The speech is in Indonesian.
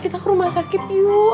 kita ke rumah sakit yuk